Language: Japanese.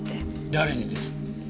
誰にです？